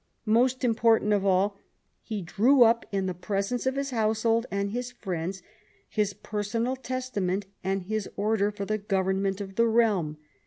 Most important of all, he drew up, in the presence of " his household and his friends," his personal testament and his order for the government of the realm.